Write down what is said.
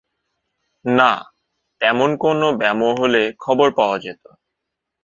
নাঃ, তেমন কোনো ব্যামো হলে খবর পাওয়া যেত।